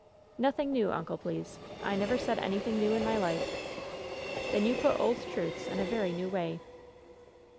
"Nothing new, uncle, please. I never said anything new in my life." "Then you put old truths in a very new way."